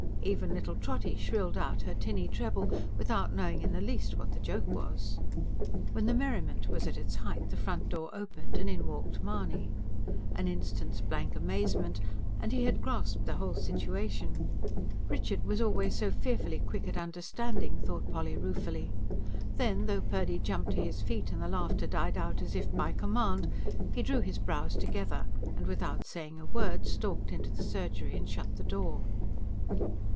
Even little Trotty shrilled out her tinny treble, without knowing in the least what the joke was. When the merriment was at its height, the front door opened and in walked Mahony. An instant's blank amazement, and he had grasped the whole situation Richard was always so fearfully quick at understanding, thought Polly ruefully. Then, though Purdy jumped to his feet and the laughter died out as if by command, he drew his brows together, and without saying a word, stalked into the surgery and shut the door.